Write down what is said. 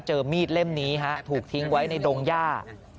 เจอมีดเล่มนี้ถูกทิ้งไว้ในดงหญ้า